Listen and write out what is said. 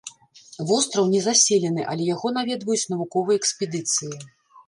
Востраў незаселены, але яго наведваюць навуковыя экспедыцыі.